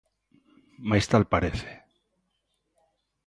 Mais tal parece.